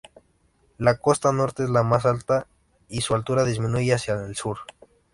La costa norte es más alta y su altura disminuye hacia el sur.